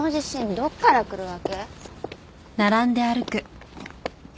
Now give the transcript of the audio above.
どっから来るわけ？